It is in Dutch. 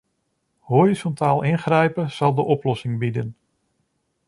Horizontaal ingrijpen zal de oplossing bieden.